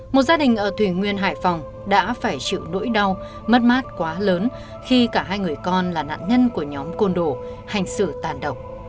một gia đình ở thủy nguyên hải phòng đã phải chịu nỗi đau mất mát quá lớn khi cả hai người con là nạn nhân của nhóm côn đồ hành xử tàn độc